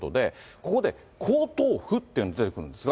ここで皇統譜っていうのが出てくるんですが。